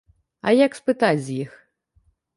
А як спытаць з іх?